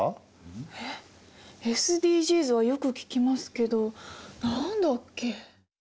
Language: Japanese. えっＳＤＧｓはよく聞きますけど何だっけ？